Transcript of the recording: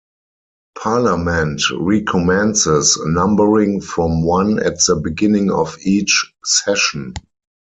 Parliament recommences numbering from one at the beginning of each session.